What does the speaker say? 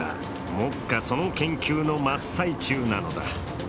目下その研究の真っ最中なのだ。